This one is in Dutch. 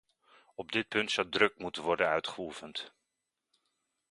Op dit punt zou druk moeten worden uitgeoefend.